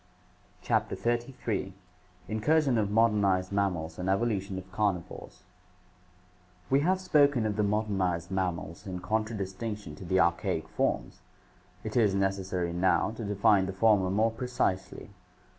CHAPTER XXXHI Incursion of Modernized Mammals and Evolution of Carnivores We have spoken of the modernized mammals in contradistinction to the archaic forms. It is necessary now to define the former more precisely.